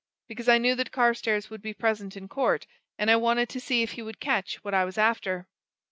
Because I knew that Carstairs would be present in court, and I wanted to see if he would catch what I was after!"